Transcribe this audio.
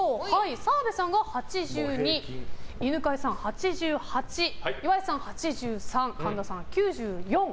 澤部さんが８２犬飼さん、８８岩井さん、８３神田さん、９４。